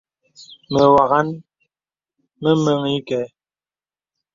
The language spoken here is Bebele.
Me wàŋhaŋ me meŋhī kɛ̄.